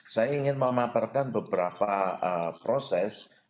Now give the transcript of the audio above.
saya ingin memaparkan beberapa proses